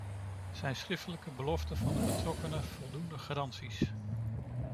Zijn schriftelijke beloften van de betrokkene voldoende garanties?